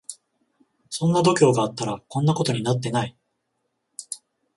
そんな度胸があったらこんなことになってない